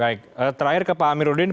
baik terakhir ke pak amir udin